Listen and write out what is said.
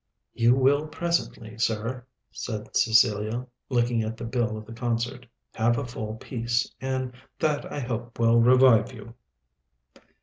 "You will presently, sir," said Cecilia, looking at the bill of the concert, "have a full piece; and that I hope will revive you."